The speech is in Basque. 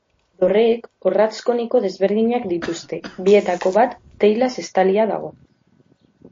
Dorreek orratz koniko desberdinak dituzte, bietako bat teilaz estalia dago.